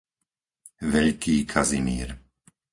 Veľký Kazimír